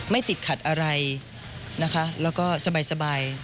ติดขัดอะไรนะคะแล้วก็สบาย